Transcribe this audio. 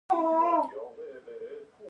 يو يو کور او محلې ته ورتلو او هغوی ته به ئي